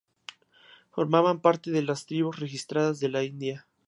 Formaban parte de los tribus registradas de la India.